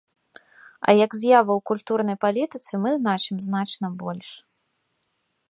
А як з'ява ў культурнай палітыцы мы значым значна больш.